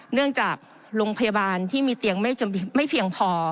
เนื่องจากโรงพยาบาลที่มีเตียงไม่เพียงพอ